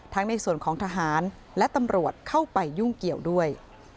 ในส่วนของทหารและตำรวจเข้าไปยุ่งเกี่ยวด้วย